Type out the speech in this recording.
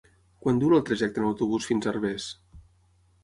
Quant dura el trajecte en autobús fins a Herbers?